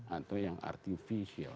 atau yang artificial